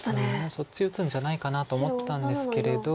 そっち打つんじゃないかなと思ったんですけれど。